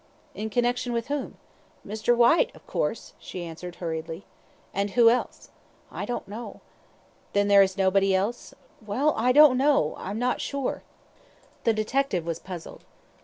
"In connection with whom?" "Mr. Whyte, of course," she answered, hurriedly. "And who else?" "I don't know." "Then there is nobody else?" "Well, I don't know I'm not sure." The detective was puzzled.